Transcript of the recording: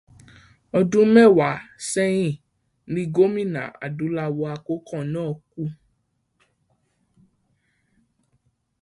Ọdún mẹ́wàá ṣẹ́yìn ni gómìnà Adúláwọ̀ àkọ́kọ́ náà kú.